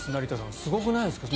すごくないですか？